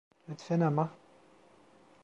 Lütfen ama.